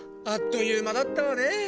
あっというまだったわね。